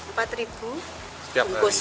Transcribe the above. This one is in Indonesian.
ya sampai rp tiga empat perbungkus